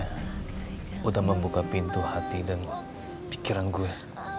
sudah membuka pintu hati dan pikiran gue